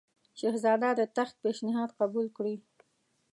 شهزاده د تخت پېشنهاد قبول کړي.